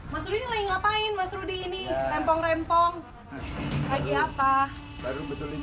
boleh boleh mas rudy ngapain mas rudy ini rempong rempong lagi apa baru betulin